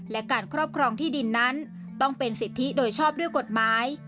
และการครอบครองที่ดินนั้นต้องเป็นสิทธิโดยชอบด้วยกฎหมาย